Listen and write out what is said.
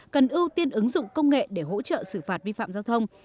cần ưu tiên ứng dụng công nghệ để hỗ trợ xử phạt vi phạm giao thông